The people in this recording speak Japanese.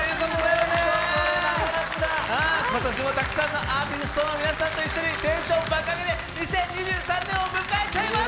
間もなくだ、今年もたくさんのアーティストの皆さんと一緒に、テンション爆アゲで２０２３年を迎えちゃいます！